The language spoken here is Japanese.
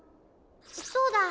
そうだ！